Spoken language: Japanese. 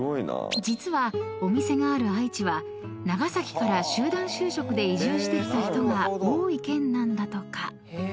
［実はお店がある愛知は長崎から集団就職で移住してきた人が多い県なんだとか］